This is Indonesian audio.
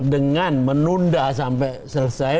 dengan menunda sampai selesai